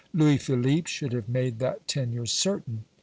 Louis Philippe should have made that tenure certain.